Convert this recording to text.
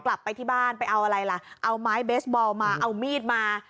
กลับไปที่บ้านไปเอาอะไรล่ะเอาไม้เบสบอลมาเอามีดมา